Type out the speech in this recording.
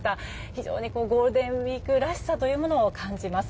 非常にゴールデンウィークらしさを感じます。